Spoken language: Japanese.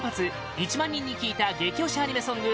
１万人に聞いた激推しアニメソング